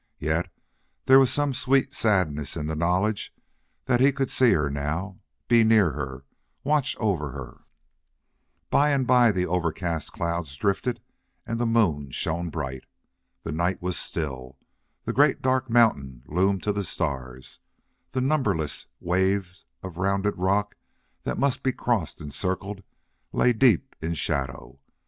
Yet there was some sad sweetness in the knowledge that he could see her now, be near her, watch over her. By and by the overcast clouds drifted and the moon shone bright. The night was still; the great dark mountain loomed to the stars; the numberless waves of rounded rock that must be crossed and circled lay deep in shadow.